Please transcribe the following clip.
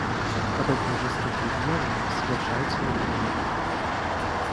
Подобные жестокие деяния совершаются непрерывно.